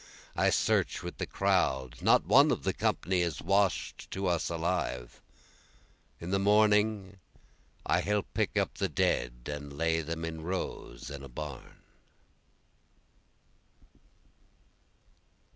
I search with the crowd, not one of the company is wash'd to us alive, In the morning I help pick up the dead and lay them in rows in a barn.